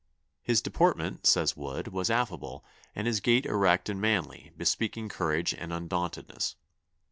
'His deportment,' says Wood, 'was affable, and his gait erect and manly, bespeaking courage and undauntedness.